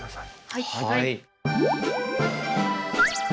はい。